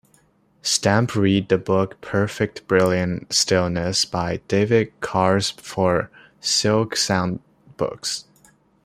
Stamp read the book "Perfect Brilliant Stillness" by David Carse for SilkSoundBooks.